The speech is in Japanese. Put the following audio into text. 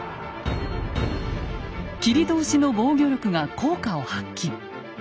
切通の防御力が効果を発揮。